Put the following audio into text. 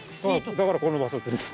だからこの場所。